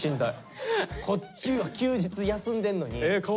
こっちは休日休んでんのに。